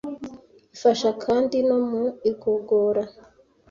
ifasha kandi no mu igogora